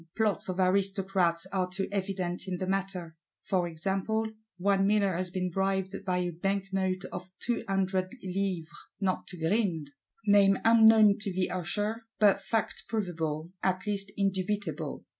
Plots of Aristocrats are too evident in the matter; for example, one miller has been bribed "by a banknote of 200 livres" not to grind,—name unknown to the Usher, but fact provable, at least indubitable.